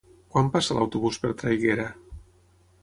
Quan passa l'autobús per Traiguera?